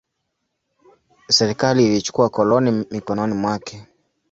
Serikali ilichukua koloni mikononi mwake.